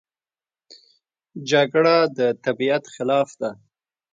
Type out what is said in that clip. جګړه د طبیعت خلاف ده